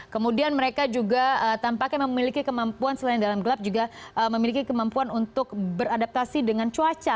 kemudian mereka juga tampaknya memiliki kemampuan selain dalam gelap juga memiliki kemampuan untuk beradaptasi dengan cuaca